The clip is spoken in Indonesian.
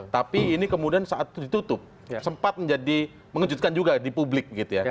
tapi ini kemudian saat itu ditutup sempat menjadi mengejutkan juga di publik gitu ya